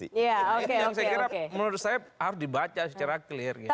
ini yang menurut saya harus dibaca secara clear